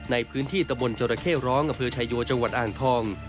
ในพื้นที่ตะมนต์จราเข้ร้องอพฤษยัวร์จังหวัดอ่างทอง